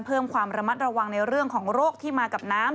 เพิ่มความระมัดระวังในเรื่องของโรคที่มากับน้ำ